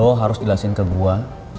lo harus jelasin ke gue